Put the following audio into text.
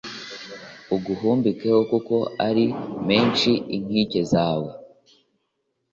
uguhumbikeho kuko ari menshi inkike zawe